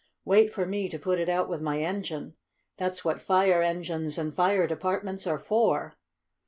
Wait for me to put it out with my engine. That's what fire engines and fire departments are for."